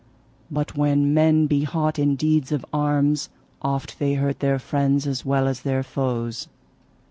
But when men be hot in deeds of arms oft they hurt their friends as well as their foes.